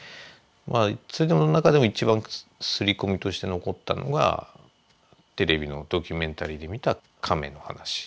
それでも中でも一番すり込みとして残ったのがテレビのドキュメンタリーで見たカメの話。